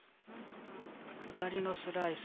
下りのスライス。